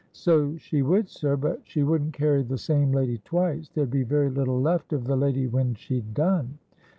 ' So she would, sir ; but she wouldn't carry the same lady twice. There'd be very little left of the lady when she'd done.'